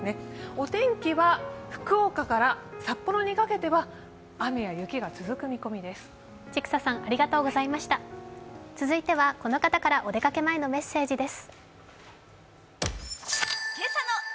お天気は福岡から札幌にかけては雨や雪が続く見込みです。